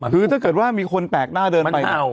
คือถ้าเกิดว่ามีคนแปลกหน้าเดินไป